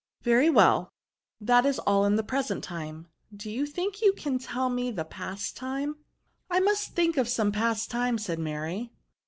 " Very well : that is all the present time. Do you think you can tell me the past time?" " I must think of some past time," said Mary.